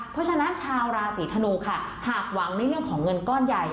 เพราะฉะนั้นชาวราศีธนูค่ะหากหวังในเรื่องของเงินก้อนใหญ่